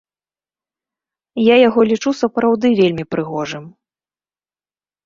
Я яго лічу сапраўды вельмі прыгожым.